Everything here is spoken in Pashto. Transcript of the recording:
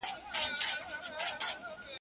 وياړلی